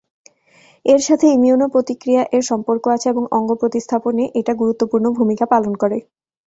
এর সাথে ইমিউন প্রতিক্রিয়া এর সম্পর্ক আছে এবং অঙ্গ প্রতিস্থাপন-এ এটা গুরুত্বপূর্ণ ভূমিকা পালন করে।